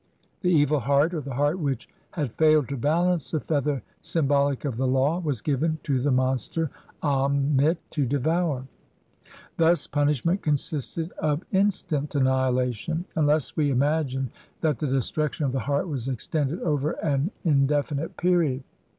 The evil heart, . or the heart which had failed to balance the feather symbolic of the law, was given to the monster Am mit to devour ; thus punishment consisted of instant annihilation, unless we imagine that the destruction of the heart was extended over an indefinite period.